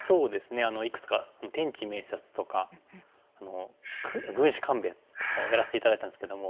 いくつか「天地明察」とか「軍師官兵衛」とかをやらせて頂いたんですけども。